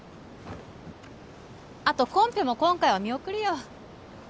あとコンペも今回は見送るよ